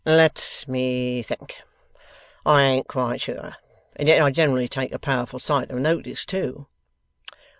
'Let me think. I ain't quite sure, and yet I generally take a powerful sight of notice, too.